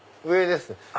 上ですね？